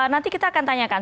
nanti kita akan tanyakan